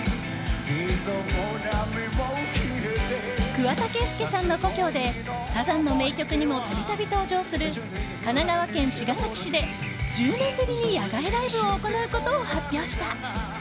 桑田佳祐さんの故郷でサザンの名曲にもたびたび登場する神奈川県茅ヶ崎市で１０年ぶりに野外ライブを行うことを発表した。